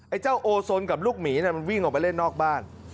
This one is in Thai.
เจ้าโอซนกับลูกหมีมันวิ่งออกไปเล่นนอกบ้าน